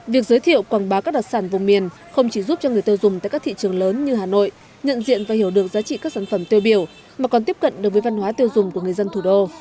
việc giới thiệu quảng bá các đặc sản vùng miền không chỉ giúp cho người tiêu dùng tại các thị trường lớn như hà nội nhận diện và hiểu được giá trị các sản phẩm tiêu biểu mà còn tiếp cận đối với văn hóa tiêu dùng của người dân thủ đô